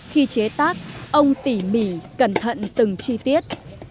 khi chế tác ông tỉ mỉ cẩn thận từng chi tiết